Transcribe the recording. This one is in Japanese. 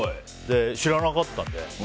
知らなかったので。